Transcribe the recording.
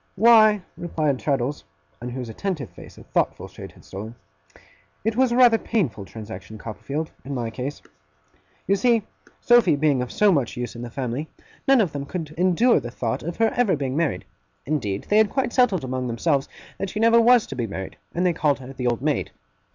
'Why,' replied Traddles, on whose attentive face a thoughtful shade had stolen, 'it was rather a painful transaction, Copperfield, in my case. You see, Sophy being of so much use in the family, none of them could endure the thought of her ever being married. Indeed, they had quite settled among themselves that she never was to be married, and they called her the old maid.